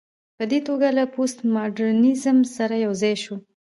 په دې توګه له پوسټ ماډرنيزم سره يوځاى شو